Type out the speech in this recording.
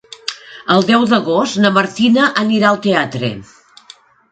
El deu d'agost na Martina anirà al teatre.